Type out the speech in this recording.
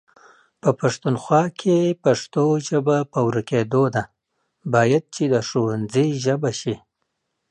په پښتونخوا کې پښتو ژبه په ورکيدو ده، بايد چې د ښونځي ژبه شي